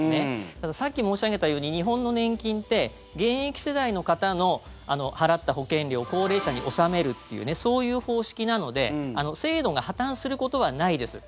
ただ、さっき申し上げたように日本の年金って現役世代の方の払った保険料を高齢者に納めるっていうそういう方式なので、制度が破たんすることはないです。